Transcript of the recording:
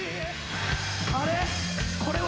あれ？